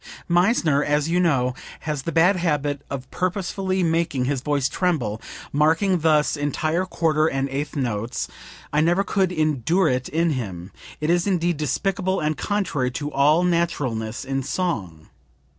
"Meissner, as you know, has the bad habit of purposely making his voice tremble, marking thus entire quarter and eighth notes; I never could endure it in him. It is indeed despicable and contrary to all naturalness in song.